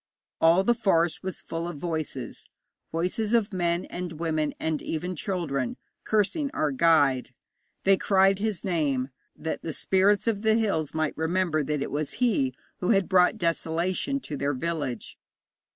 All the forest was full of voices voices of men and women and even children cursing our guide. They cried his name, that the spirits of the hills might remember that it was he who had brought desolation to their village.